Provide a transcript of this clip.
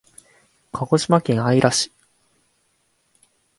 鹿児島県姶良市